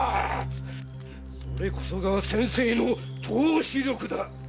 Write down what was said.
それこそが先生の透視力だ！